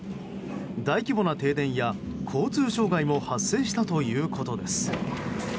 大規模な停電や交通障害も発生したということです。